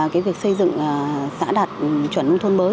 cái việc xây dựng xã đạt chuẩn nông thôn mới